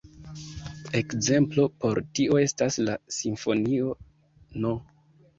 Ekzemplo por tio estas la simfonio no.